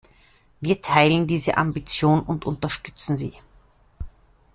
Wir teilen diese Ambition und unterstützen sie.